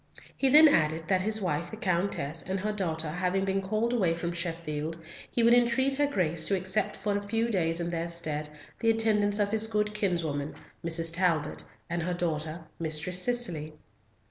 He then added, that his wife, the Countess, and her daughter, having been called away from Sheffield, he would entreat her Grace to accept for a few days in their stead the attendance of his good kinswoman, Mrs. Talbot, and her daughter, Mistress Cicely.